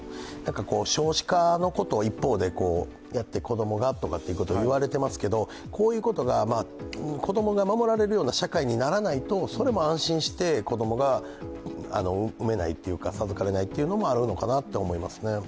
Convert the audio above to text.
少子化のことを一方でやって、子供がとか言われていますけれども、子供が守られるような社会にならないと、それも安心して、子供が産めないというか、授かれないのかなと思います。